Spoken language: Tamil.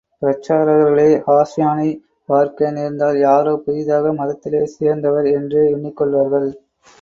பிரசாரகர்களே ஹாஸ்ானைப் பார்க்க நேர்ந்தால் யாரோ புதிதாக மதத்திலே சேர்ந்தவர் என்றே எண்ணிக்கொள்வார்கள்.